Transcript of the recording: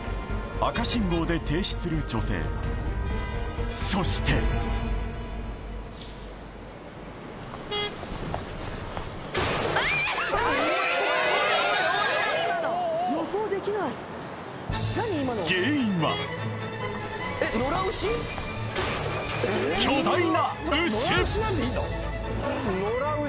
赤信号で停止する女性そして原因は巨大な牛！